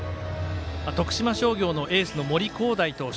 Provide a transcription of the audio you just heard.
徳島商業のエースの森煌誠投手。